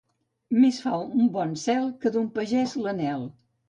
Més fa un bon cel que d'un pagès l'anhel.